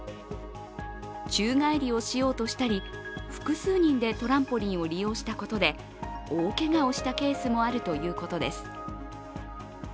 宙返りをしようとしたり複数人でトランポリンを利用したことで大けがをしたケースもあるということです。